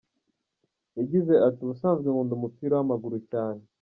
Yagize ati “Ubusanzwe nkunda umupira w’amaguru cyane.